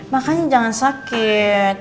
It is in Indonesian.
makanya jangan sakit